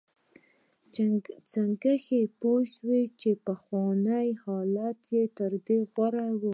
چنګښې پوه شوې چې پخوانی حالت تر دې غوره و.